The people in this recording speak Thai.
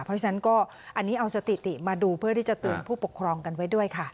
เพราะฉะนั้นก็อันนี้เอาสถิติมาดูเพื่อที่จะเตือนผู้ปกครองกันไว้ด้วยค่ะ